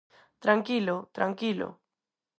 Tranquilo, tranquilo.